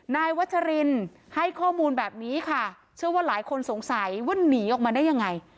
นายวัชรินให้ข้อมูลแบบนี้ค่ะเชื่อว่าหลายคนสงสัยว่าหนีออกมาได้ยังไง